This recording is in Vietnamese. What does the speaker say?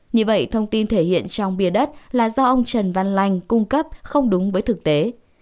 như vậy thông tin thể hiện trong bia đất là do ông trần văn lanh cung cấp không đúng với thực tế